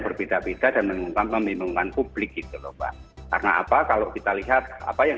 berbeda beda dan menentang pembimbingan publik itu lho mbak karena apa kalau kita lihat apa yang